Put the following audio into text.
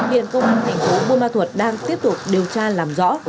hiện công an thành phố buôn thuộc đang tiếp tục điều tra làm rõ